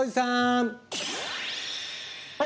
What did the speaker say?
はい！